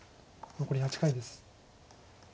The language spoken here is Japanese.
残り８回です。